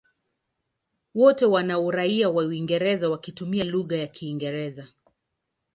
Wote wana uraia wa Uingereza wakitumia lugha ya Kiingereza.